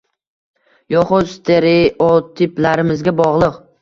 yoxud... stereotiplarimizga bog‘liq: